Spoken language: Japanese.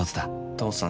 父さん